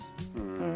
うん。